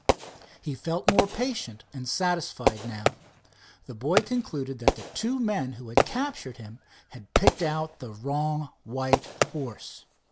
He felt more patient and satisfied now. The boy concluded that the two men who had captured him had picked out the wrong white horse.